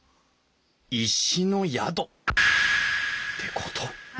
石の宿ってこと？